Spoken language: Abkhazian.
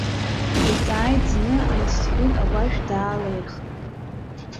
Дҵааит зны аинститут агәашә даалаирхан.